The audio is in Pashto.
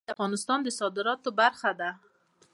زغال د افغانستان د صادراتو برخه ده.